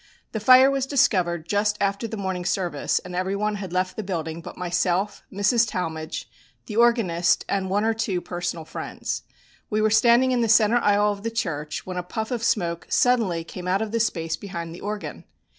The fire was discovered just after the morning service, and everyone had left the building but myself, Mrs. Talmage, the organist, and one or two personal friends. We were standing in the centre aisle of the church when a puff of smoke suddenly came out of the space behind the organ.